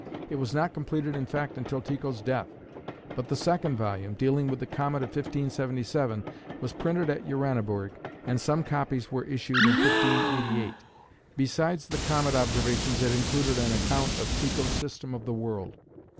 it was not completed in fact until Tycho's death, but the second volume, dealing with the comet of 1577, was printed at Uraniborg and some copies were issued in 1588. Besides the comet observations it included an account of Tycho's system of the world.